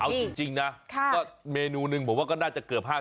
เอาจริงนะเมนูหนึ่งผมว่าน่าจะเกือบ๕๐แล้ว